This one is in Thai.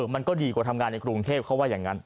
มันก็ดีกว่าทำงานในกรุงเทพเขาว่าอย่างนั้น